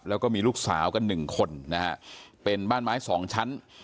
แล้วก็มีลูกสาวกันหนึ่งคนนะฮะเป็นบ้านไม้สองชั้น